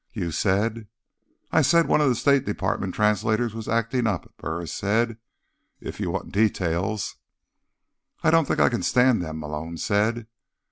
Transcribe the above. "You said—" "I said one of the State Department translators was acting up," Burris said. "If you want details—" "I don't think I can stand them," Malone said.